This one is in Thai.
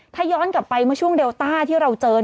ถ้าย้อนกลับไปเมื่อช่วงเดลต้าที่เราเจอ